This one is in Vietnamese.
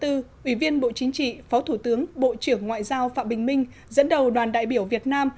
ủy viên bộ chính trị phó thủ tướng bộ trưởng ngoại giao phạm bình minh dẫn đầu đoàn đại biểu việt nam